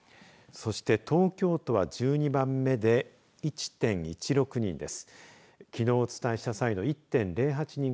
そして、東京都は１２番目で１．１６人です。